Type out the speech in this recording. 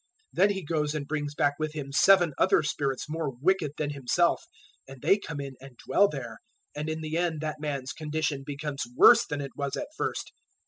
012:045 Then he goes and brings back with him seven other spirits more wicked than himself, and they come in and dwell there; and in the end that man's condition becomes worse than it was at first.